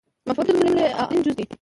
مفعول د جملې اړین جز دئ